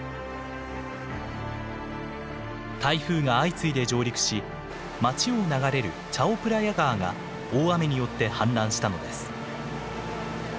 台風が相次いで上陸し町を流れるチャオプラヤ川が大雨によって氾濫したのです。